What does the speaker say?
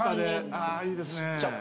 ああいいですね。